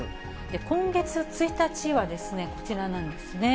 今月１日はこちらなんですね。